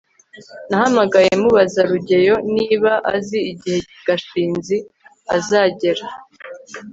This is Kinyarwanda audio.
nahamagaye mubaza rugeyo niba azi igihe gashinzi azagera